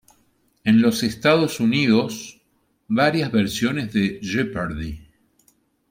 En los Estados Unidos, varios versiones de "Jeopardy!